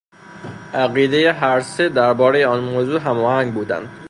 عقیدهٔ هر سه در بارهٔ آن موضوع هم آهنگ بودند.